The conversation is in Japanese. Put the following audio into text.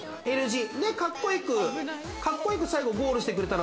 でかっこ良くかっこ良く最後ゴールしてくれたら。